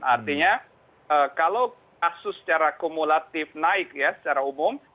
artinya kalau kasus secara kumulatif naik ya secara umum